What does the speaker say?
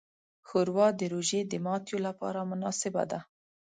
ښوروا د روژې د ماتیو لپاره مناسبه ده.